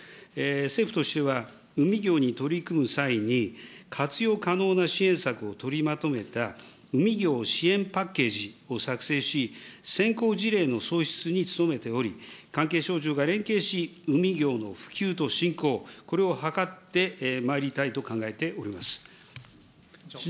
政府としては、海業に取り組む際に、活用可能な支援策を取りまとめた、海業支援パッケージを作成し、先行事例の創出に努めており、関係省庁が連携し、海業の普及と振興、これを図ってまいりたいと考えております。